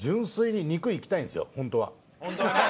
ホントはね。